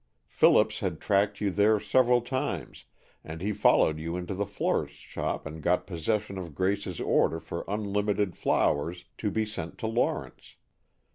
Phillips had tracked you there several times, and he followed you into the florist's shop and got possession of Grace's order for unlimited flowers to be sent to Lawrence.